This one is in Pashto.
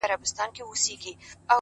په دغه خپل وطن كي خپل ورورك،